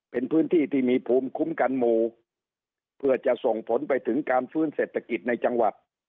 เป็นพื้นที่ที่มีภูมิคุ้มกันหมู่เพื่อจะส่งผลไปถึงการฟื้นเศรษฐกิจในจังหวัด